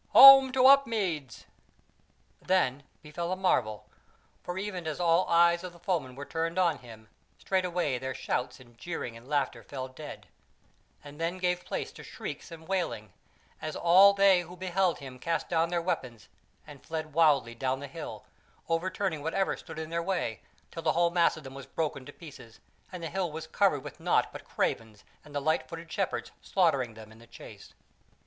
Home to Upmeads!" Then befell a marvel, for even as all eyes of the foemen were turned on him, straightway their shouts and jeering and laughter fell dead, and then gave place to shrieks and wailing, as all they who beheld him cast down their weapons and fled wildly down the hill, overturning whatever stood in their way, till the whole mass of them was broken to pieces, and the hill was covered with nought but cravens and the light footed Shepherds slaughtering them in the chase.